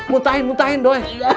muntahin muntahin doi